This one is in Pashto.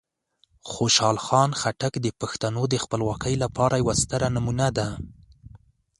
خوشحال خان خټک د پښتنو د خپلواکۍ لپاره یوه ستره نمونه ده.